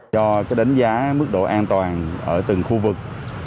cho đánh giá mức độ an toàn ở từng khu vực